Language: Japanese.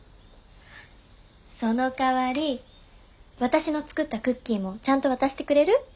そのかわり私の作ったクッキーもちゃんと渡してくれる？